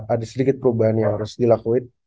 ada sedikit perubahan yang harus dilakuin